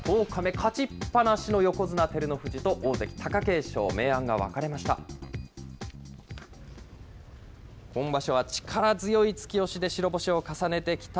勝ちっ放しの横綱・照ノ富士と大関・貴景勝、明暗が分かれました。